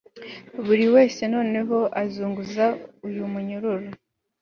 Buri wese noneho azunguza uyu munyururu